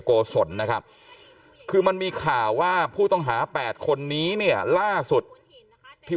โกศลนะครับคือมันมีข่าวว่าผู้ต้องหา๘คนนี้เนี่ยล่าสุดที่